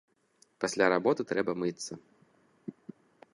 Пасля работы трэба мыцца.